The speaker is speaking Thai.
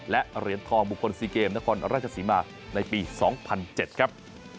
และเหรียญทองบุคคล๔เกมนครราชศรีมาในปี๒๐๐๗ครับ